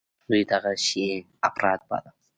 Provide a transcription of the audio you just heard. دوى دغه شى اپرات باله.